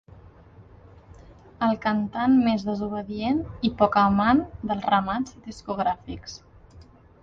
El cantant més desobedient i poc amant dels ramats discogràfics.